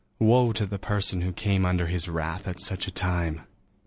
Woe to the person who came under his wrath at such a time!